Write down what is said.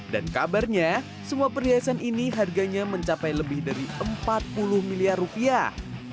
kabarnya semua perhiasan ini harganya mencapai lebih dari empat puluh miliar rupiah